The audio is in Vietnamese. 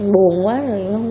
buồn quá rồi